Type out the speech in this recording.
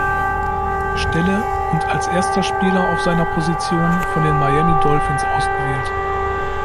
Stelle und als erster Spieler auf seiner Position von den Miami Dolphins ausgewählt.